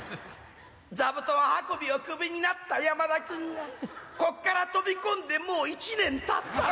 座布団運びをクビになった山田君がこっから飛び込んでもう１年たったの。